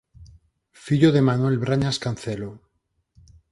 Fillo de Manuel Brañas Cancelo.